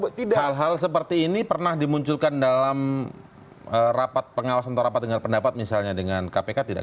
hal hal seperti ini pernah dimunculkan dalam rapat pengawas atau rapat dengan pendapat misalnya dengan kpk tidak